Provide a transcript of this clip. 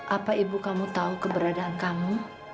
apa ibu kamu tahu keberadaan kamu